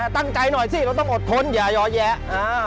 ตั้งใจหน่อยสิเราต้องอดทนอย่าย้อแยะ